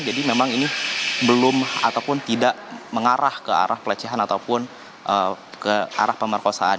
jadi memang ini belum ataupun tidak mengarah ke arah pelecehan ataupun ke arah pemerkosaan